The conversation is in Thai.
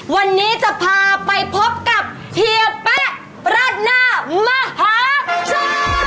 วันนี้จะพาไปพบกับเฮียแป๊ะราดหน้ามหาชน